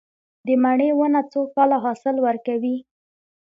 د مڼې ونه څو کاله حاصل ورکوي؟